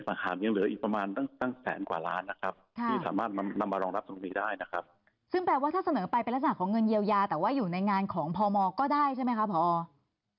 เพราะแน่งาดเขาอยู่ในงานของพมได้ใช่ไหมครับพอ